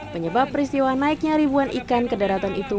penyebab peristiwa naiknya ribuan ikan ke daratan itu